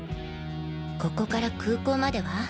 ここから空港までは？